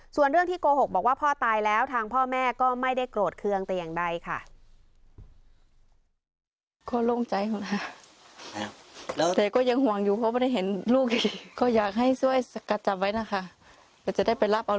ส่วนเรื่องที่โกหกบอกว่าพ่อตายแล้วทางพ่อแม่ก็ไม่ได้โกรธเครื่องแต่อย่างใดค่ะ